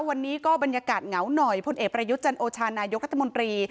วันนี้ก็บรรยากาศเหงาหน่อยพลเอกประยุทธ์จันโอชานายกรัฐมนตรี